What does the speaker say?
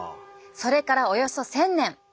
それからおよそ１，０００年。